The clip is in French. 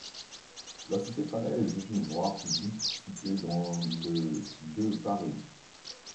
La cité Falaise est une voie publique située dans le de Paris.